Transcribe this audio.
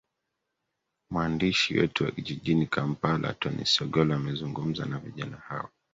mwandishi wetu wa jijini kampala tony sigolo amezungumza na vijana hao